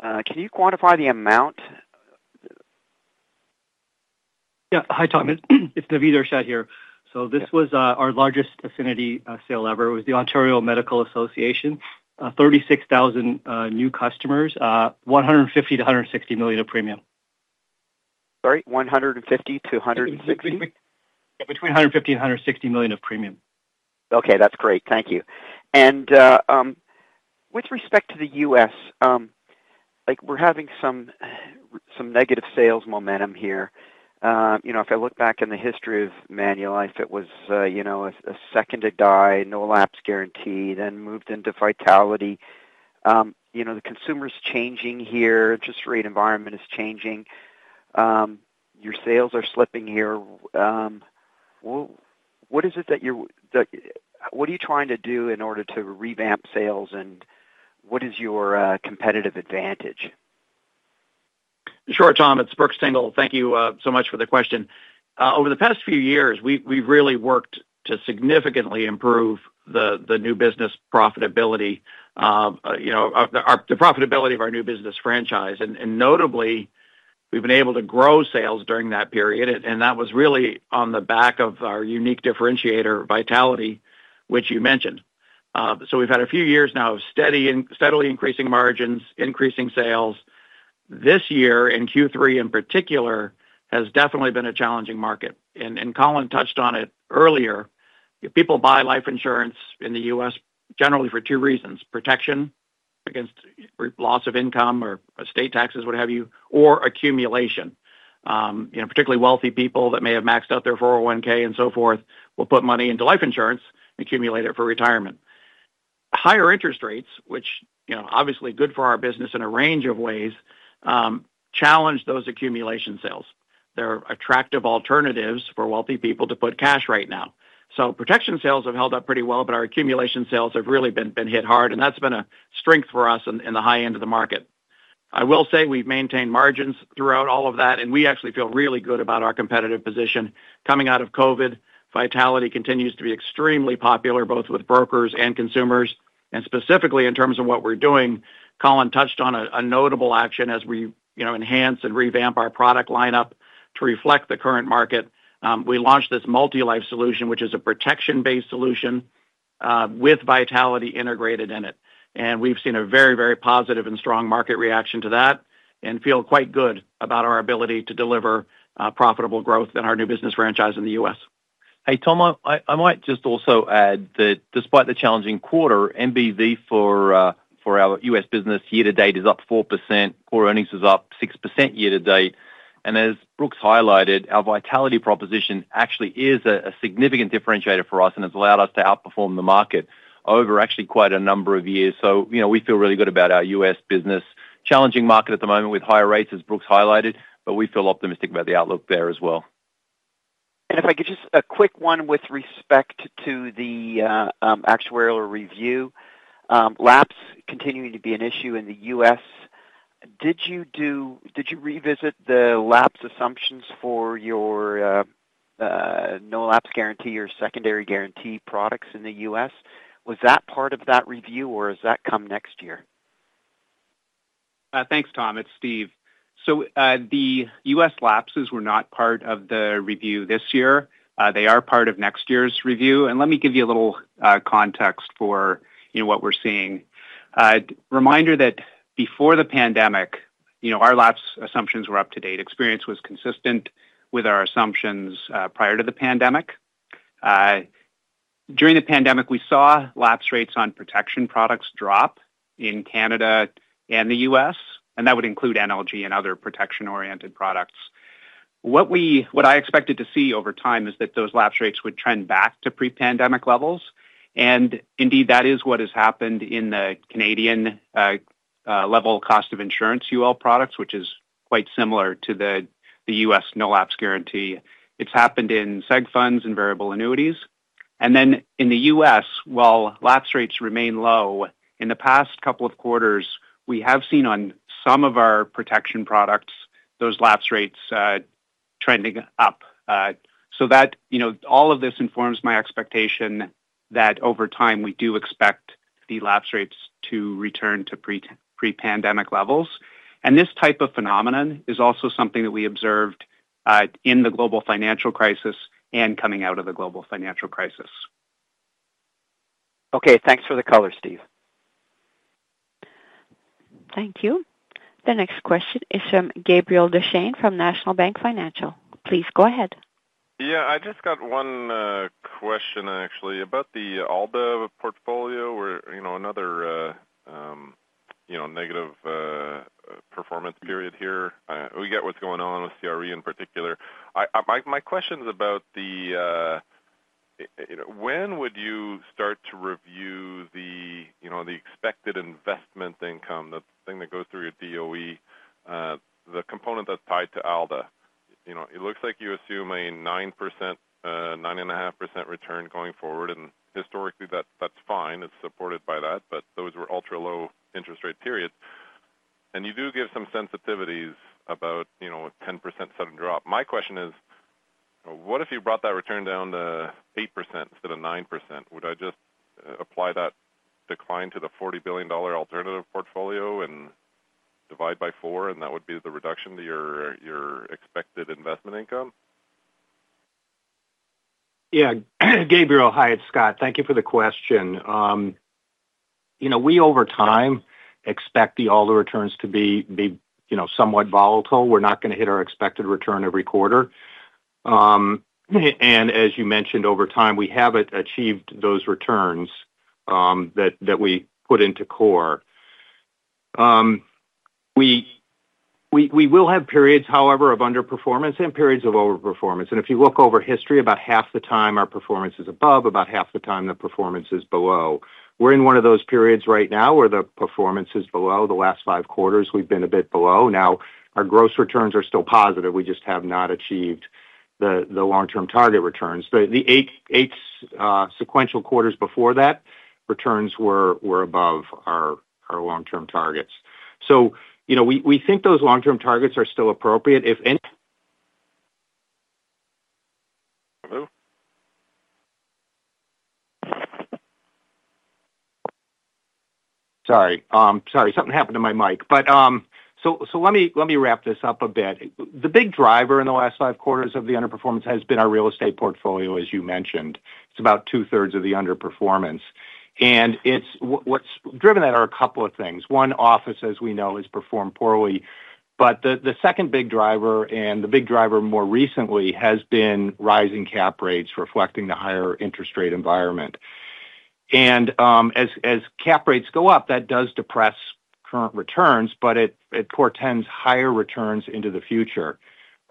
Speaker 10: Can you quantify the amount?
Speaker 11: Yeah. Hi, Tom. It's David Frisard here. So this was our largest affinity sale ever. It was the Ontario Medical Association, 36,000 new customers, 150 million-160 million of premium.
Speaker 10: Sorry, 150 to 160?
Speaker 11: Yeah, between 150 million and 160 million of premium.
Speaker 10: Okay, that's great. Thank you. With respect to the U.S., like, we're having some, some negative sales momentum here. You know, if I look back in the history of Manulife, it was you know a second to die no lapse guarantee, then moved into Vitality. You know, the consumer's changing here, interest rate environment is changing. Your sales are slipping here. What is it that you're the what are you trying to do in order to revamp sales, and what is your competitive advantage?
Speaker 12: Sure, Tom, it's Brooks Tingle. Thank you so much for the question. Over the past few years, we've really worked to significantly improve the new business profitability, you know, our the profitability of our new business franchise. And notably, we've been able to grow sales during that period, and that was really on the back of our unique differentiator, Vitality, which you mentioned. So we've had a few years now of steady and steadily increasing margins, increasing sales. This year, in Q3 in particular, has definitely been a challenging market, and Colin touched on it earlier.... If people buy life insurance in the U.S., generally for two reasons: protection against loss of income or estate taxes, what have you, or accumulation. You know, particularly wealthy people that may have maxed out their 401(k) and so forth, will put money into life insurance, accumulate it for retirement. Higher interest rates, which, you know, obviously good for our business in a range of ways, challenge those accumulation sales. There are attractive alternatives for wealthy people to put cash right now. So protection sales have held up pretty well, but our accumulation sales have really been, been hit hard, and that's been a strength for us in, in the high end of the market. I will say we've maintained margins throughout all of that, and we actually feel really good about our competitive position coming out of COVID. Vitality continues to be extremely popular, both with brokers and consumers. Specifically, in terms of what we're doing, Colin touched on a notable action as we, you know, enhance and revamp our product lineup to reflect the current market. We launched this multi-life solution, which is a protection-based solution, with Vitality integrated in it. We've seen a very, very positive and strong market reaction to that and feel quite good about our ability to deliver profitable growth in our new business franchise in the U.S.
Speaker 3: Hey, Tom, I might just also add that despite the challenging quarter, MBV for our US business year to date is up 4%, core earnings is up 6% year to date. And as Brooks highlighted, our Vitality proposition actually is a significant differentiator for us and has allowed us to outperform the market over actually quite a number of years. So, you know, we feel really good about our US business. Challenging market at the moment with higher rates, as Brooks highlighted, but we feel optimistic about the outlook there as well.
Speaker 10: If I could just a quick one with respect to the actuarial review. Lapse continuing to be an issue in the U.S., did you revisit the lapse assumptions for your No Lapse Guarantee or secondary guarantee products in the U.S.? Was that part of that review, or does that come next year?
Speaker 9: Thanks, Tom. It's Steve. So, the US lapses were not part of the review this year. They are part of next year's review. And let me give you a little context for, you know, what we're seeing. Reminder that before the pandemic, you know, our lapse assumptions were up to date. Experience was consistent with our assumptions prior to the pandemic. During the pandemic, we saw lapse rates on protection products drop in Canada and the U.S., and that would include NLG and other protection-oriented products. What I expected to see over time is that those lapse rates would trend back to pre-pandemic levels, and indeed, that is what has happened in the Canadian level cost of insurance UL products, which is quite similar to the US no lapse guarantee. It's happened in Seg Funds and variable annuities. And then in the U.S., while lapse rates remain low, in the past couple of quarters, we have seen on some of our protection products, those lapse rates trending up. So that, you know, all of this informs my expectation that over time, we do expect the lapse rates to return to pre-pandemic levels. And this type of phenomenon is also something that we observed in the global financial crisis and coming out of the global financial crisis.
Speaker 10: Okay, thanks for the color, Steve.
Speaker 1: Thank you. The next question is from Gabriel Dechaine from National Bank Financial. Please go ahead.
Speaker 13: Yeah, I just got one question actually about the ALDA portfolio, where, you know, another you know, negative performance period here. We get what's going on with CRE in particular. My question is about the, you know, when would you start to review the, you know, the expected investment income, the thing that goes through your DOE, the component that's tied to ALDA? You know, it looks like you assume a 9% 9.5% return going forward, and historically, that, that's fine. It's supported by that. But those were ultra-low interest rate periods. And you do give some sensitivities about, you know, a 10% sudden drop. My question is: what if you brought that return down to 8% instead of 9%? Would I just apply that decline to the 40 billion dollar alternative portfolio and divide by four, and that would be the reduction to your expected investment income?
Speaker 14: Yeah. Gabriel, hi, it's Scott. Thank you for the question. You know, we over time expect the ALDA returns to be, you know, somewhat volatile. We're not going to hit our expected return every quarter. And as you mentioned, over time, we haven't achieved those returns that we put into core. We will have periods, however, of underperformance and periods of overperformance. And if you look over history, about half the time our performance is above, about half the time the performance is below. We're in one of those periods right now where the performance is below. The last five quarters, we've been a bit below. Now, our gross returns are still positive. We just have not achieved the long-term target returns. But the eight sequential quarters before that, returns were above our long-term targets. So, you know, we think those long-term targets are still appropriate. If any-
Speaker 13: Hello?
Speaker 14: Sorry, sorry, something happened to my mic. But, so let me wrap this up a bit. The big driver in the last five quarters of the underperformance has been our real estate portfolio, as you mentioned. It's about two-thirds of the underperformance.... And it's, what's driven that are a couple of things. One, office, as we know, has performed poorly, but the second big driver, and the big driver more recently, has been rising cap rates, reflecting the higher interest rate environment. And, as cap rates go up, that does depress current returns, but it portends higher returns into the future.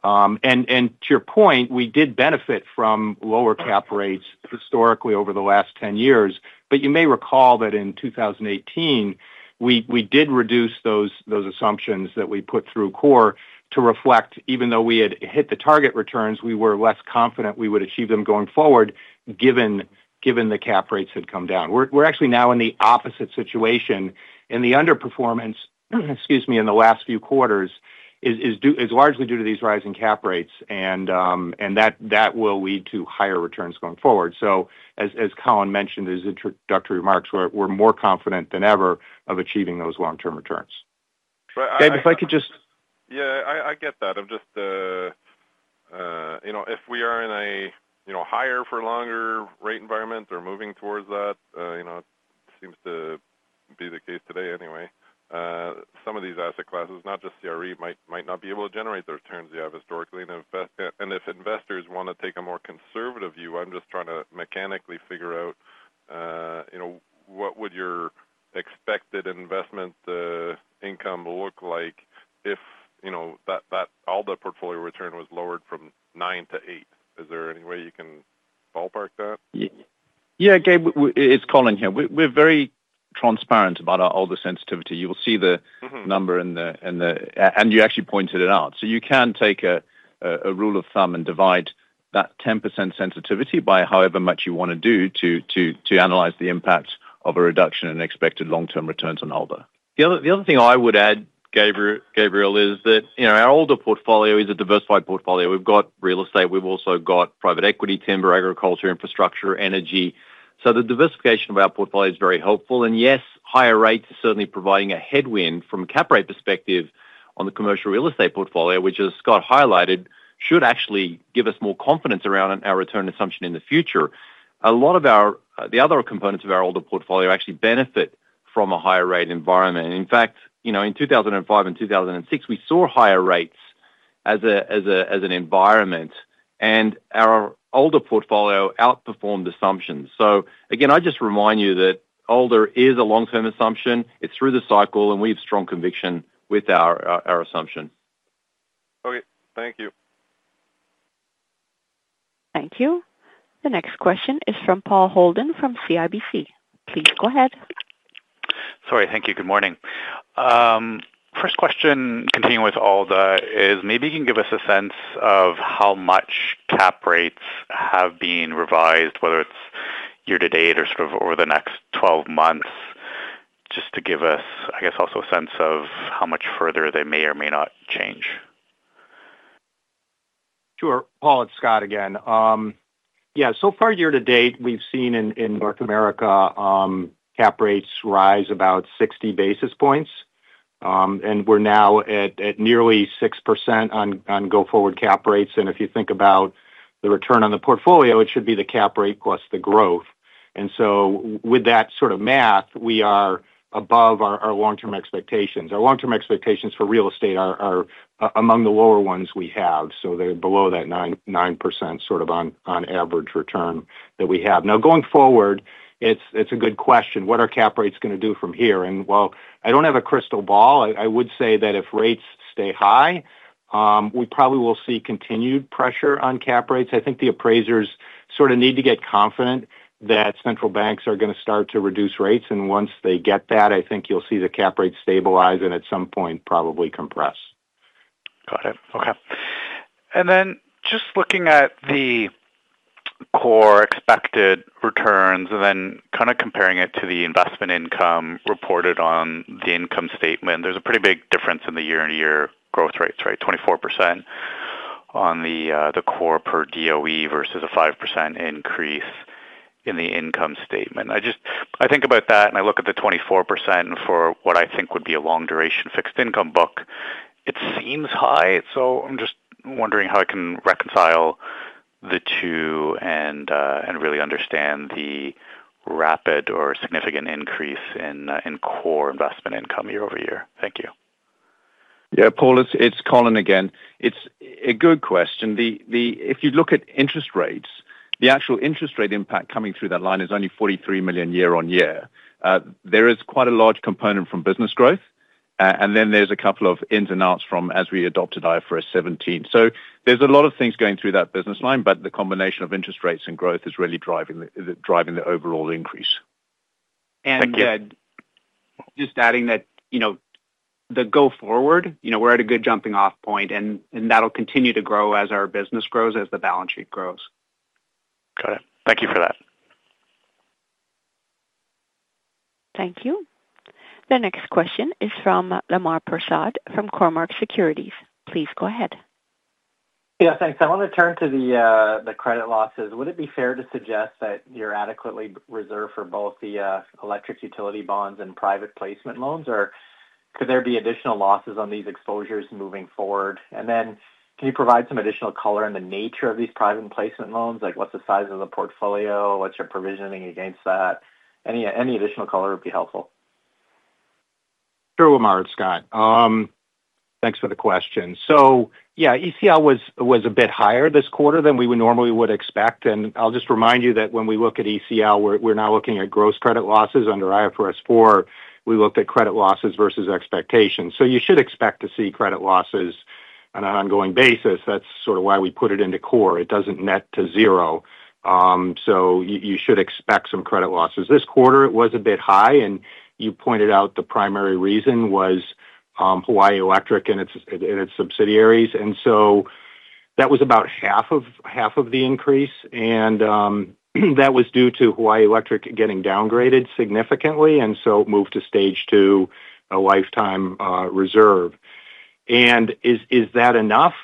Speaker 14: And to your point, we did benefit from lower cap rates historically over the last 10 years, but you may recall that in 2018, we did reduce those assumptions that we put through core to reflect, even though we had hit the target returns, we were less confident we would achieve them going forward, given the cap rates had come down. We're actually now in the opposite situation, and the underperformance, excuse me, in the last few quarters is largely due to these rising cap rates, and that will lead to higher returns going forward. So as Colin mentioned in his introductory remarks, we're more confident than ever of achieving those long-term returns.
Speaker 13: But I-
Speaker 14: Gabriel, if I could just-
Speaker 13: Yeah, I get that. I'm just... You know, if we are in a, you know, higher for longer rate environment or moving towards that, you know, it seems to be the case today anyway. Some of these asset classes, not just CRE, might not be able to generate the returns they have historically. And if investors wanna take a more conservative view, I'm just trying to mechanically figure out, you know, what would your expected investment income look like if, you know, that, that ALDA portfolio return was lowered from nine to eight? Is there any way you can ballpark that?
Speaker 4: Yeah. Gabriel, it's Colin here. We're very transparent about our ALDA sensitivity. You will see the-
Speaker 13: Mm-hmm...
Speaker 4: number and you actually pointed it out. So you can take a rule of thumb and divide that 10% sensitivity by however much you wanna do to analyze the impact of a reduction in expected long-term returns on ALDA.
Speaker 14: The other thing I would add, Gabriel, is that, you know, our ALDA portfolio is a diversified portfolio. We've got real estate, we've also got private equity, timber, agriculture, infrastructure, energy. So the diversification of our portfolio is very helpful. And yes, higher rates are certainly providing a headwind from a cap rate perspective on the commercial real estate portfolio, which, as Scott highlighted, should actually give us more confidence around on our return assumption in the future. A lot of our, the other components of our ALDA portfolio actually benefit from a higher rate environment. And in fact, you know, in 2005 and 2006, we saw higher rates as an environment, and our ALDA portfolio outperformed assumptions. So again, I just remind you that ALDA is a long-term assumption. It's through the cycle, and we have strong conviction with our assumption.
Speaker 13: Okay, thank you.
Speaker 1: Thank you. The next question is from Paul Holden, from CIBC. Please go ahead.
Speaker 15: Sorry. Thank you, good morning. First question, continuing with ALDA, is maybe you can give us a sense of how much cap rates have been revised, whether it's year to date or sort of over the next 12 months, just to give us, I guess, also a sense of how much further they may or may not change.
Speaker 14: Sure, Paul, it's Scott again. Yeah, so far, year to date, we've seen in North America, cap rates rise about 60 basis points. And we're now at nearly 6% on go-forward cap rates. And if you think about the return on the portfolio, it should be the cap rate plus the growth. And so with that sort of math, we are above our long-term expectations. Our long-term expectations for real estate are among the lower ones we have, so they're below that 9.9%, sort of on average return that we have. Now, going forward, it's a good question: What are cap rates gonna do from here? And while I don't have a crystal ball, I would say that if rates stay high, we probably will see continued pressure on cap rates. I think the appraisers sort of need to get confident that central banks are gonna start to reduce rates, and once they get that, I think you'll see the cap rates stabilize and at some point probably compress.
Speaker 15: Got it. Okay. And then just looking at the core expected returns and then kind of comparing it to the investment income reported on the income statement, there's a pretty big difference in the year-over-year growth rates, right? 24% on the core ROE versus a 5% increase in the income statement. I just - I think about that, and I look at the 24% for what I think would be a long duration fixed income book. It seems high, so I'm just wondering how I can reconcile the two and really understand the rapid or significant increase in core investment income year over year. Thank you.
Speaker 4: Yeah, Paul, it's Colin again. It's a good question. If you look at interest rates, the actual interest rate impact coming through that line is only 43 million year-on-year. There is quite a large component from business growth, and then there's a couple of ins and outs from as we adopted IFRS 17. So there's a lot of things going through that business line, but the combination of interest rates and growth is really driving the overall increase.
Speaker 15: Thank you.
Speaker 14: Just adding that, you know, the go forward, you know, we're at a good jumping-off point, and that'll continue to grow as our business grows, as the balance sheet grows.
Speaker 15: Got it. Thank you for that.
Speaker 1: Thank you. The next question is from Lemar Persaud, from Cormark Securities. Please go ahead.
Speaker 16: Yeah, thanks. I want to turn to the credit losses. Would it be fair to suggest that you're adequately reserved for both the electric utility bonds and private placement loans, or-...
Speaker 9: Could there be additional losses on these exposures moving forward? And then can you provide some additional color on the nature of these private placement loans? Like, what's the size of the portfolio? What's your provisioning against that? Any additional color would be helpful.
Speaker 14: Sure, Lemar, Scott. Thanks for the question. So yeah, ECL was a bit higher this quarter than we would normally expect, and I'll just remind you that when we look at ECL, we're now looking at gross credit losses. Under IFRS 9, we looked at credit losses versus expectations. So you should expect to see credit losses on an ongoing basis. That's sort of why we put it into core. It doesn't net to zero. So you should expect some credit losses. This quarter, it was a bit high, and you pointed out the primary reason was Hawaii Electric and its subsidiaries. And so that was about half of the increase, and that was due to Hawaii Electric getting downgraded significantly, and so moved to Stage 2, a lifetime reserve. And is that enough?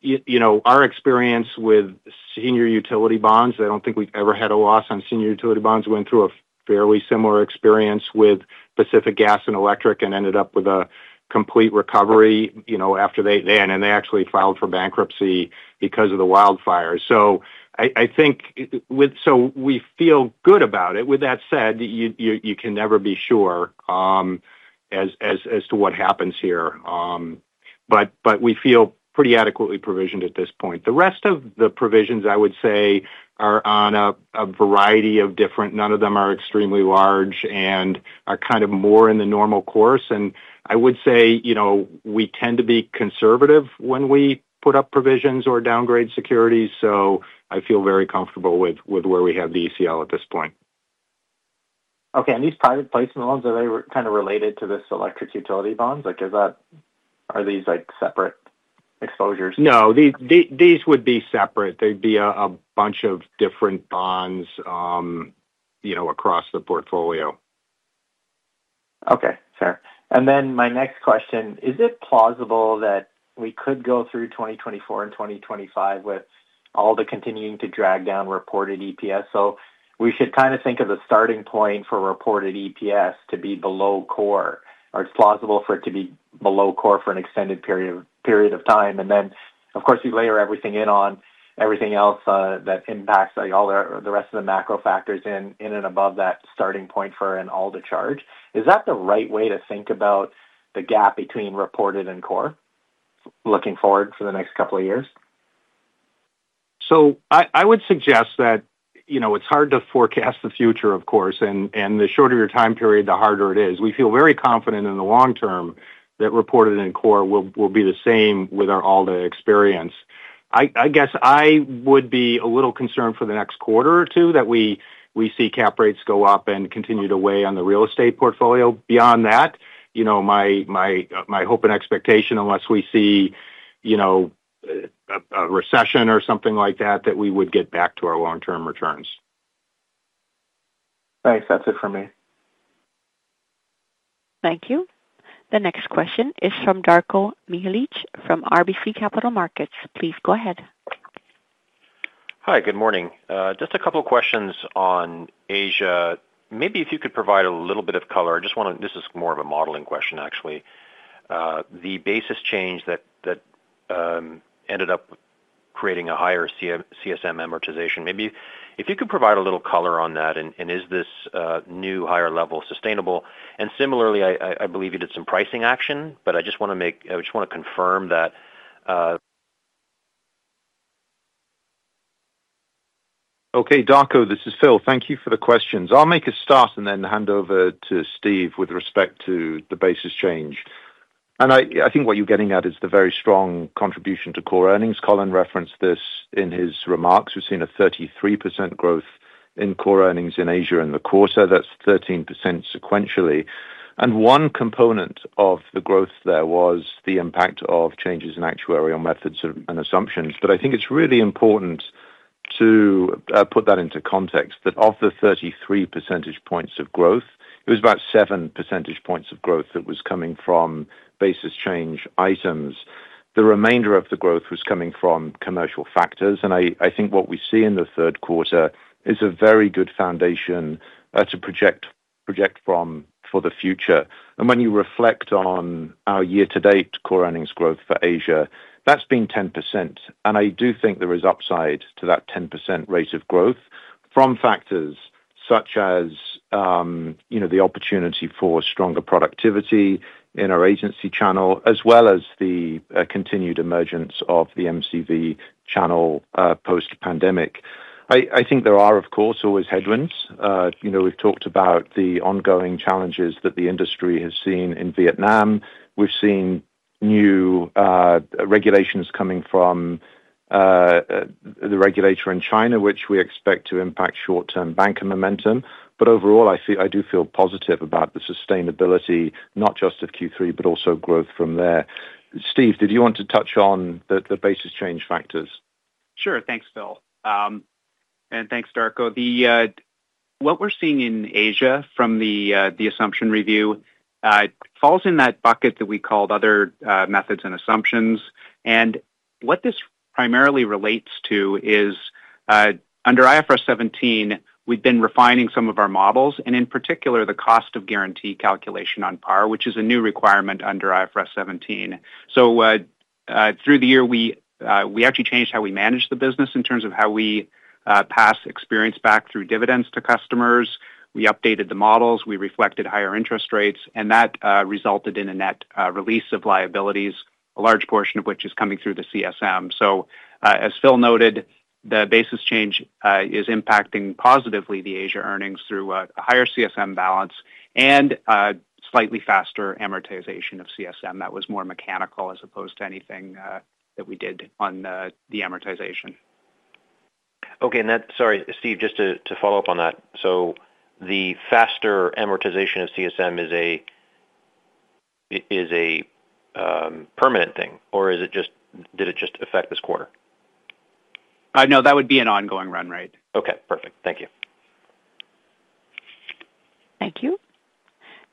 Speaker 14: You know, our experience with senior utility bonds, I don't think we've ever had a loss on senior utility bonds. We went through a fairly similar experience with Pacific Gas and Electric and ended up with a complete recovery, you know, after they then actually filed for bankruptcy because of the wildfires. So we feel good about it. With that said, you can never be sure as to what happens here. But we feel pretty adequately provisioned at this point. The rest of the provisions, I would say, are on a variety of different. None of them are extremely large and are kind of more in the normal course. And I would say, you know, we tend to be conservative when we put up provisions or downgrade securities. I feel very comfortable with where we have the ECL at this point.
Speaker 16: Okay. These private placement loans, are they kind of related to this electric utility bonds? Like, is that-- are these, like, separate exposures?
Speaker 14: No, these, these would be separate. They'd be a bunch of different bonds, you know, across the portfolio.
Speaker 16: Okay, fair. And then my next question: Is it plausible that we could go through 2024 and 2025 with all the continuing to drag down reported EPS? So we should kind of think of the starting point for reported EPS to be below core, or it's plausible for it to be below core for an extended period of time. And then, of course, you layer everything in on everything else, that impacts, like, all the, the rest of the macro factors in, in and above that starting point for an all the charge. Is that the right way to think about the gap between reported and core, looking forward for the next couple of years?
Speaker 14: So I would suggest that, you know, it's hard to forecast the future, of course, and the shorter your time period, the harder it is. We feel very confident in the long term that reported and core will be the same with our all the experience. I guess I would be a little concerned for the next quarter or two, that we see cap rates go up and continue to weigh on the real estate portfolio. Beyond that, you know, my hope and expectation, unless we see, you know, a recession or something like that, that we would get back to our long-term returns.
Speaker 16: Thanks. That's it for me.
Speaker 1: Thank you. The next question is from Darko Mihelic from RBC Capital Markets. Please go ahead.
Speaker 17: Hi, good morning. Just a couple questions on Asia. Maybe if you could provide a little bit of color. I just want to... This is more of a modeling question, actually. The basis change that ended up creating a higher CSM amortization. Maybe if you could provide a little color on that, and is this new, higher level sustainable? And similarly, I believe you did some pricing action, but I just want to make, I just want to confirm that.
Speaker 8: Okay, Darko, this is Phil. Thank you for the questions. I'll make a start and then hand over to Steve with respect to the basis change. I think what you're getting at is the very strong contribution to core earnings. Colin referenced this in his remarks. We've seen a 33% growth in core earnings in Asia in the quarter. That's 13% sequentially. One component of the growth there was the impact of changes in actuarial methods and assumptions. But I think it's really important to put that into context, that of the 33% points of growth, it was about seven percentage points of growth that was coming from basis change items. The remainder of the growth was coming from commercial factors, and I think what we see in the third quarter is a very good foundation to project from for the future. And when you reflect on our year-to-date core earnings growth for Asia, that's been 10%. And I do think there is upside to that 10% rate of growth from factors such as, you know, the opportunity for stronger productivity in our agency channel, as well as the continued emergence of the MCV channel post-pandemic. I think there are, of course, always headwinds. You know, we've talked about the ongoing challenges that the industry has seen in Vietnam. We've seen new regulations coming from the regulator in China, which we expect to impact short-term banker momentum. But overall, I feel, I do feel positive about the sustainability, not just of Q3, but also growth from there. Steve, did you want to touch on the, the basis change factors?
Speaker 9: Sure. Thanks, Phil. and thanks, Darko. The... What we're seeing in Asia from the, the assumption review, falls in that bucket that we called other, methods and assumptions. And what this primarily relates to is- Under IFRS 17, we've been refining some of our models, and in particular, the cost of guarantee calculation on par, which is a new requirement under IFRS 17. So, through the year, we actually changed how we manage the business in terms of how we pass experience back through dividends to customers. We updated the models, we reflected higher interest rates, and that resulted in a net release of liabilities, a large portion of which is coming through the CSM. So, as Phil noted, the Basis Change is impacting positively the Asia earnings through a higher CSM balance and slightly faster amortization of CSM that was more mechanical as opposed to anything that we did on the amortization.
Speaker 17: Okay, and that—sorry, Steve, just to follow up on that: so the faster amortization of CSM is a permanent thing, or is it just—did it just affect this quarter?
Speaker 9: No, that would be an ongoing run, right?
Speaker 17: Okay, perfect. Thank you.
Speaker 1: Thank you.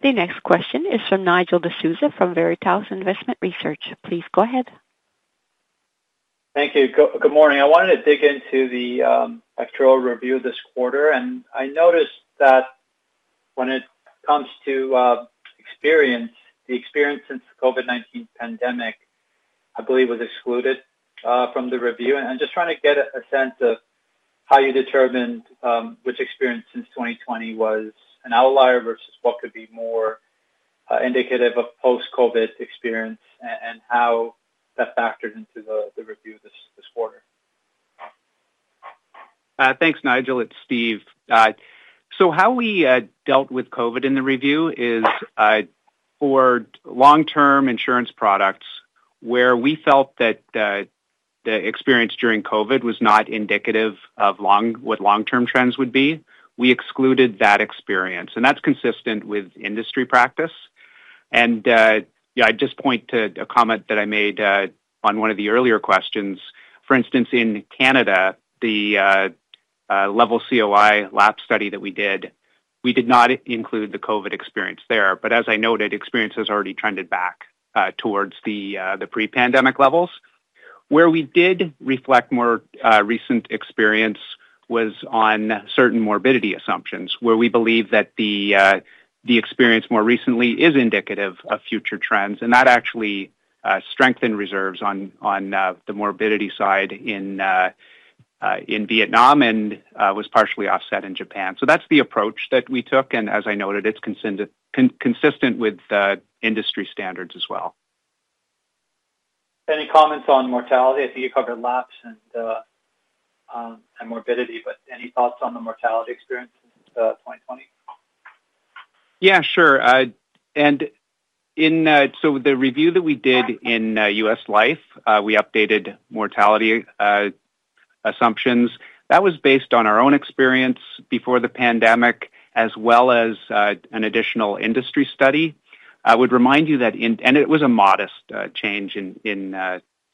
Speaker 1: The next question is from Nigel D'Souza from Veritas Investment Research. Please go ahead.
Speaker 18: Thank you. Good morning. I wanted to dig into the actuarial review this quarter, and I noticed that when it comes to experience, the experience since the COVID-19 pandemic, I believe, was excluded from the review. I'm just trying to get a sense of how you determined which experience since 2020 was an outlier versus what could be more indicative of post-COVID experience, and how that factored into the review this quarter.
Speaker 9: Thanks, Nigel. It's Steve. So how we dealt with COVID in the review is, for long-term insurance products, where we felt that the experience during COVID was not indicative of long-term trends, we excluded that experience, and that's consistent with industry practice. Yeah, I'd just point to a comment that I made on one of the earlier questions. For instance, in Canada, the level COI lapse study that we did, we did not include the COVID experience there. But as I noted, experience has already trended back towards the pre-pandemic levels. Where we did reflect more recent experience was on certain morbidity assumptions, where we believe that the experience more recently is indicative of future trends. That actually strengthened reserves on the morbidity side in Vietnam and was partially offset in Japan. So that's the approach that we took, and as I noted, it's consistent with the industry standards as well.
Speaker 18: Any comments on mortality? I think you covered lapse and morbidity, but any thoughts on the mortality experience since 2020?
Speaker 9: Yeah, sure. So the review that we did in US life, we updated mortality assumptions. That was based on our own experience before the pandemic, as well as an additional industry study. I would remind you that. And it was a modest change, in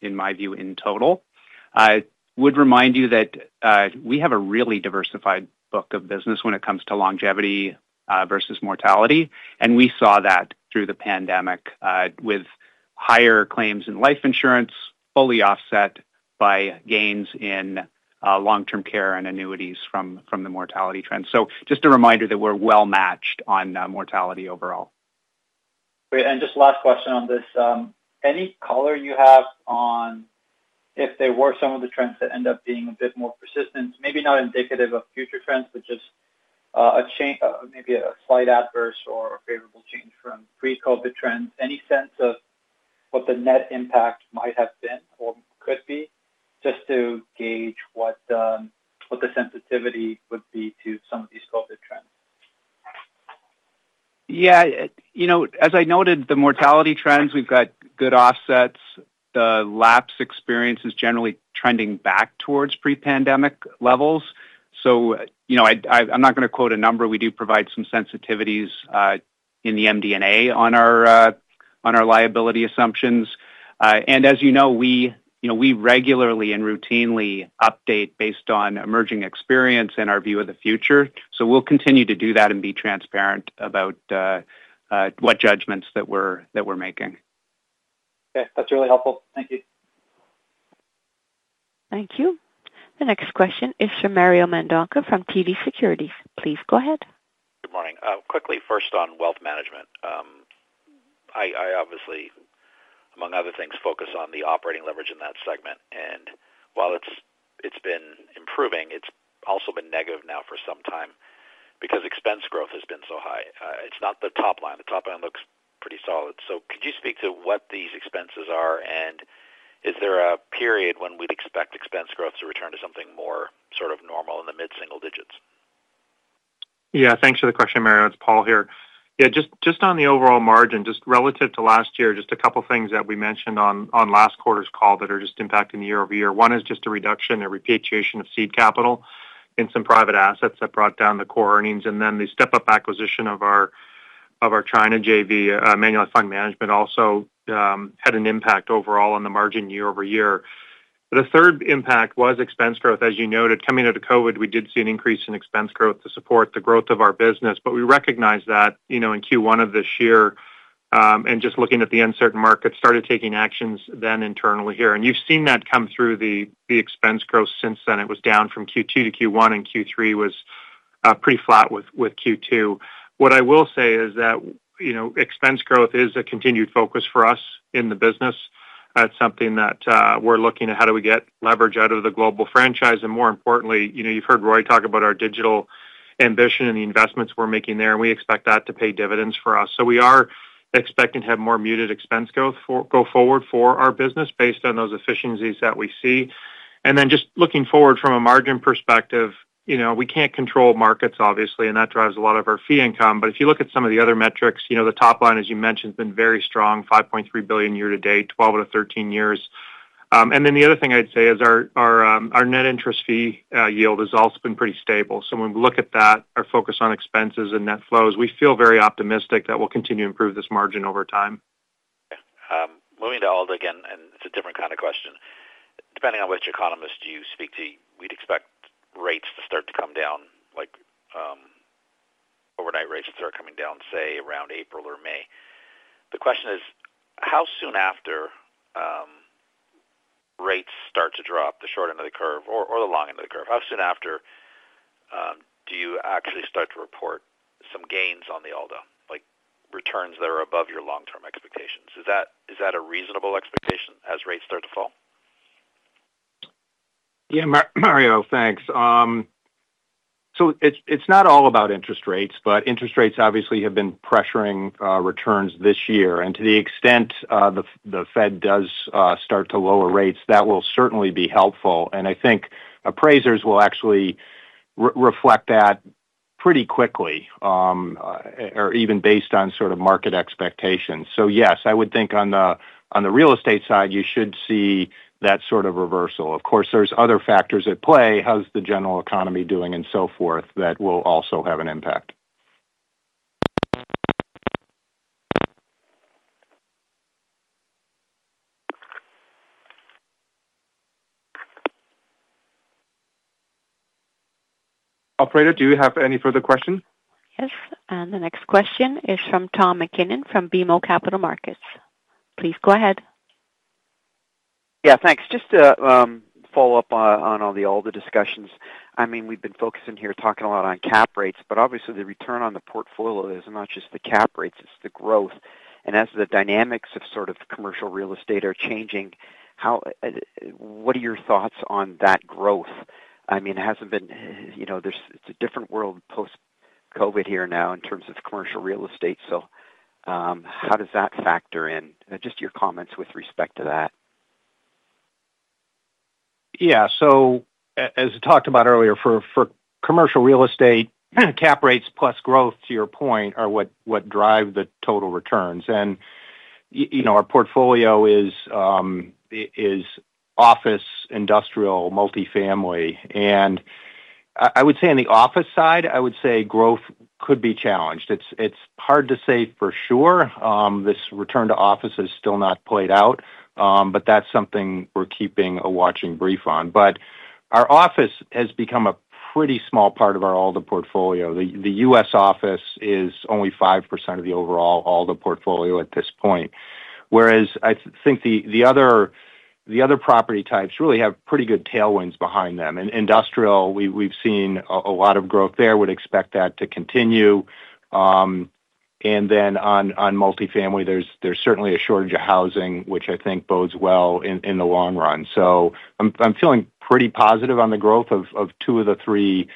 Speaker 9: my view, in total. I would remind you that we have a really diversified book of business when it comes to longevity versus mortality, and we saw that through the pandemic with higher claims in life insurance, fully offset by gains in long-term care and annuities from the mortality trends. So just a reminder that we're well matched on mortality overall.
Speaker 18: Great. Just last question on this. Any color you have on if there were some of the trends that end up being a bit more persistent, maybe not indicative of future trends, but just maybe a slight adverse or a favorable change from pre-COVID trends, any sense of what the net impact might have been or could be, just to gauge what, what the sensitivity would be to some of these COVID trends?
Speaker 9: Yeah, you know, as I noted, the mortality trends, we've got good offsets. The lapse experience is generally trending back towards pre-pandemic levels. So you know, I'm not going to quote a number. We do provide some sensitivities in the MD&A on our on our liability assumptions. And as you know, we you know, we regularly and routinely update based on emerging experience and our view of the future. So we'll continue to do that and be transparent about what judgments that we're making.
Speaker 18: Okay. That's really helpful. Thank you.
Speaker 1: Thank you. The next question is from Mario Mendonca from TD Securities. Please go ahead.
Speaker 19: Good morning. Quickly, first on wealth management. I obviously, among other things, focus on the operating leverage in that segment, and while it's been improving, it's also been negative now for some time because expense growth has been so high. It's not the top line. The top line looks pretty solid. So could you speak to what these expenses are, and is there a period when we'd expect expense growth to return to something more sort of normal in the mid-single digits?
Speaker 6: Yeah, thanks for the question, Mario. It's Paul here. Yeah, just, just on the overall margin, just relative to last year, just a couple of things that we mentioned on last quarter's call that are just impacting year-over-year. One is just a reduction, a repatriation of seed capital in some private assets that brought down the core earnings, and then the step-up acquisition of our, of our China JV, Manulife Fund Management also had an impact overall on the margin year-over-year. The third impact was expense growth. As you noted, coming out of COVID, we did see an increase in expense growth to support the growth of our business, but we recognize that, you know, in Q1 of this year,... And just looking at the uncertain market, started taking actions then internally here. And you've seen that come through the, the expense growth since then. It was down from Q2 to Q1, and Q3 was pretty flat with, with Q2. What I will say is that, you know, expense growth is a continued focus for us in the business. That's something that we're looking at how do we get leverage out of the global franchise, and more importantly, you know, you've heard Roy talk about our digital ambition and the investments we're making there, and we expect that to pay dividends for us. So we are expecting to have more muted expense growth forward for our business based on those efficiencies that we see. Then just looking forward from a margin perspective, you know, we can't control markets, obviously, and that drives a lot of our fee income. But if you look at some of the other metrics, you know, the top line, as you mentioned, has been very strong, 5.3 billion year to date, 12 out of 13 years. Then the other thing I'd say is our net interest fee yield has also been pretty stable. When we look at that, our focus on expenses and net flows, we feel very optimistic that we'll continue to improve this margin over time.
Speaker 19: Moving to ALDA again, and it's a different kind of question. Depending on which economist you speak to, we'd expect rates to start to come down, like, overnight rates start coming down, say, around April or May. The question is, how soon after, rates start to drop, the short end of the curve or the long end of the curve, how soon after, do you actually start to report some gains on the ALDA, like returns that are above your long-term expectations? Is that a reasonable expectation as rates start to fall?
Speaker 14: Yeah, Mario, thanks. So it's, it's not all about interest rates, but interest rates obviously have been pressuring returns this year. To the extent, the Fed does start to lower rates, that will certainly be helpful, and I think appraisers will actually reflect that pretty quickly, or even based on sort of market expectations. So yes, I would think on the, on the real estate side, you should see that sort of reversal. Of course, there's other factors at play, how's the general economy doing and so forth, that will also have an impact.
Speaker 2: Operator, do you have any further questions?
Speaker 1: Yes, and the next question is from Tom MacKinnon from BMO Capital Markets. Please go ahead.
Speaker 10: Yeah, thanks. Just to follow up on all the ALDA discussions. I mean, we've been focusing here, talking a lot on cap rates, but obviously, the return on the portfolio is not just the cap rates, it's the growth. And as the dynamics of sort of commercial real estate are changing, how, what are your thoughts on that growth? I mean, it hasn't been... You know, it's a different world post-COVID here now in terms of commercial real estate. So, how does that factor in? Just your comments with respect to that.
Speaker 14: Yeah. So as I talked about earlier, for commercial real estate, cap rates plus growth, to your point, are what drive the total returns. And you know, our portfolio is office, industrial, multifamily, and I would say on the office side, I would say growth could be challenged. It's hard to say for sure. This return to office has still not played out, but that's something we're keeping a watching brief on. But our office has become a pretty small part of our ALDA portfolio. The US office is only 5% of the overall ALDA portfolio at this point. Whereas, I think the other property types really have pretty good tailwinds behind them. In industrial, we've seen a lot of growth there, would expect that to continue. And then on multifamily, there's certainly a shortage of housing, which I think bodes well in the long run. So I'm feeling pretty positive on the growth of two of the three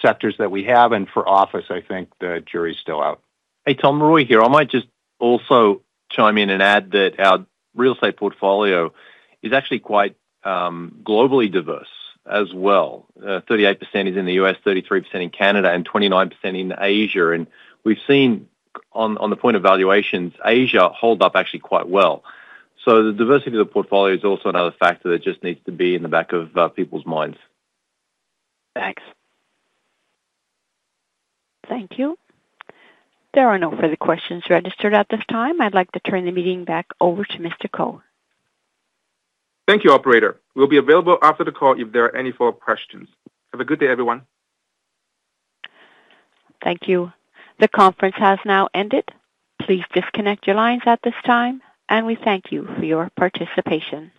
Speaker 14: sectors that we have, and for office, I think the jury is still out.
Speaker 3: Hey, Tom, Roy here. I might just also chime in and add that our real estate portfolio is actually quite globally diverse as well. 38% is in the U.S., 33% in Canada, and 29% in Asia. And we've seen on the point of valuations, Asia hold up actually quite well. So the diversity of the portfolio is also another factor that just needs to be in the back of people's minds.
Speaker 10: Thanks.
Speaker 1: Thank you. There are no further questions registered at this time. I'd like to turn the meeting back over to Mr. Ko.
Speaker 2: Thank you, operator. We'll be available after the call if there are any follow-up questions. Have a good day, everyone.
Speaker 1: Thank you. The conference has now ended. Please disconnect your lines at this time, and we thank you for your participation.